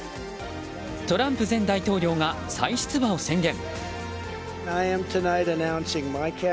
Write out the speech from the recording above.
トランプ前大統領が再出馬を宣言。